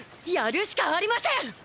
やるしかありません！！